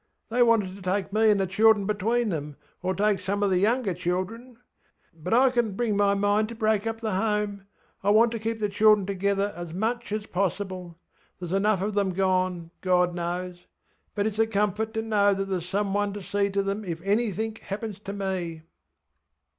They wanted to take me anŌĆÖ the children between them, or take some of the younger children. But I couldnŌĆÖt bring my mind to break up the home. I want to keep the children together as much as possible. ThereŌĆÖs enough of them gone, God knows. But itŌĆÖs a comfort to know that thereŌĆÖs some one to see to them if anythink happens to me.